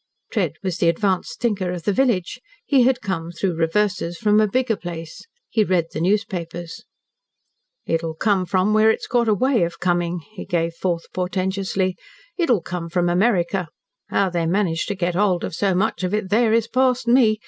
Tread was the advanced thinker of the village. He had come through reverses from a bigger place. He read the newspapers. "It'll come from where it's got a way of coming," he gave forth portentously. "It'll come from America. How they manage to get hold of so much of it there is past me.